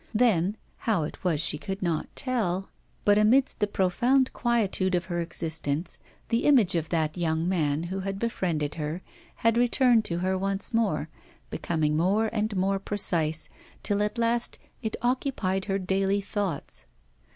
Then, how it was she could not tell, but amidst the profound quietude of her existence, the image of that young man who had befriended her had returned to her once more, becoming more and more precise, till at last it occupied her daily thoughts.